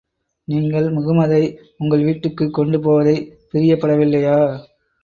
நீங்கள் முஹம்மதை உங்கள் வீட்டுக்குக் கொண்டு போவதைப் பிரியப்படவில்லையா?